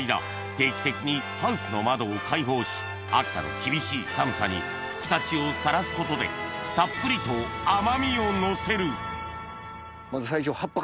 定期的にハウスの窓を開放し秋田の厳しい寒さにふくたちをさらすことでたっぷりと甘みをのせるうん。